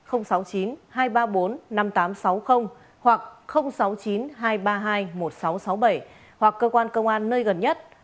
hoặc sáu mươi chín hai trăm ba mươi hai một nghìn sáu trăm sáu mươi bảy hoặc cơ quan công an nơi gần nhất